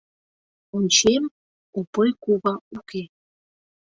Ончем: Опой кува уке.